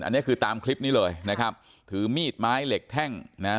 อันนี้คือตามคลิปนี้เลยนะครับถือมีดไม้เหล็กแท่งนะฮะ